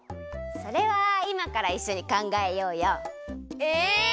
それはいまからいっしょにかんがえようよ。え！？